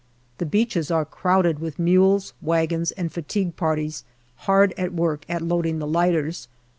The beaches are crowded with mules, wagons, and fatigue parties hard at work at loading the lighters.